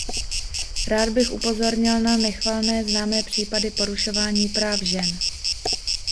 Rád bych upozornil na nechvalně známé případy porušování práv žen.